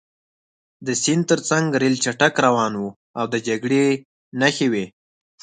د سیند ترڅنګ ریل چټک روان و او د جګړې نښې وې